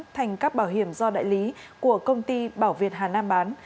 thành các bảo hiểm do đại lý của công ty bảo việt hà nam bán